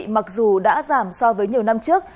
mặc dù đã giảm so với nhiều năm trước